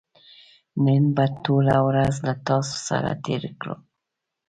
نن به ټوله ورځ له تاسو سره تېره کړم